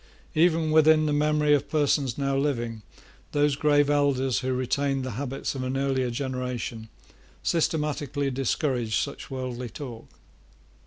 Even within the memory of persons now living those grave elders who retained the habits of an earlier generation systematically discouraged such worldly talk.